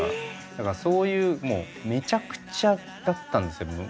だからそういうめちゃくちゃだったんですよ